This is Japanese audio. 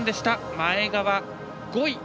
前川、５位。